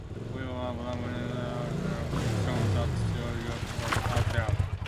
However, modern molecular phylogenetics have shown that these groupings were artificial.